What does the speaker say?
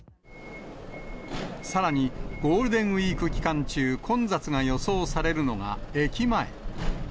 さらに、ゴールデンウィーク期間中、混雑が予想されるのが駅前。